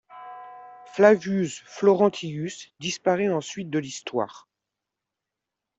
Flavius Florentius disparaît ensuite de l'Histoire.